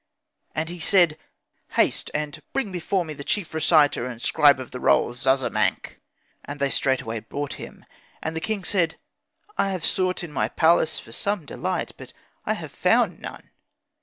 And he said, 'Haste, and bring before me the chief reciter and scribe of the rolls Zazamankh'; and they straightway brought him. And the king said, 'I have sought in my palace for some delight, but I have found none.'